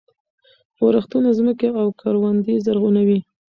ورښتونه ځمکې او کروندې زرغونوي.